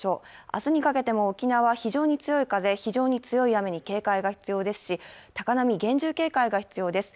明日にかけても沖縄は非常に強い風、非常に強い雨に警戒が必要ですし、高波、厳重警戒が必要です。